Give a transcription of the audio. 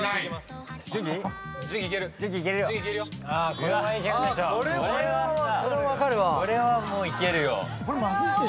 これはさこれはもういけるよ。